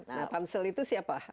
nah pansel itu siapa